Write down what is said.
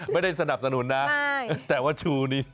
ไม่ได้สนับสนุนนะแต่ว่าชูนี้